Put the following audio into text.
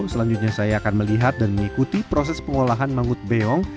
selanjutnya saya akan melihat dan mengikuti proses pengolahan mangut beong